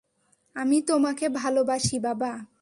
আমি তোমাকে ভালোবাসি, বাবা।